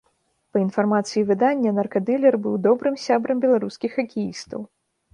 Па інфармацыі выдання, наркадылер быў добрым сябрам беларускіх хакеістаў.